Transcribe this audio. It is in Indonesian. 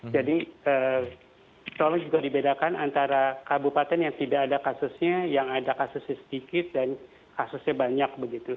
jadi tolong juga dibedakan antara kabupaten yang tidak ada kasusnya yang ada kasusnya sedikit dan kasusnya banyak